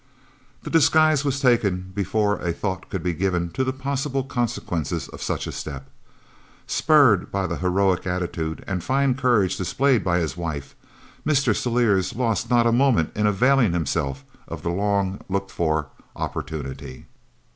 The disguise was taken before a thought could be given to the possible consequences of such a step. Spurred by the heroic attitude and fine courage displayed by his wife, Mr. Celliers lost not a moment in availing himself of the long looked for opportunity.